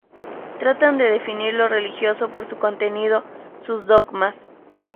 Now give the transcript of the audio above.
Tratan de definir lo religioso por su contenido, sus dogmas.